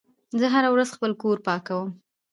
زه هره ورځ خپل کور پاکوم.